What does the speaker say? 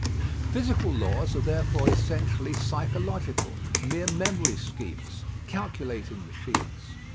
Physical laws are therefore essentially psychological; mere memory schemes, calculating machines.